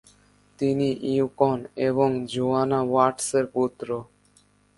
তিনি ইউকন এবং জোয়ানা ওয়াটসের পুত্র।